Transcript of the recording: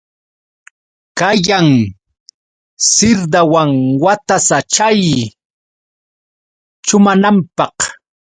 Kayan sirdawan watasa chay chumananpaq.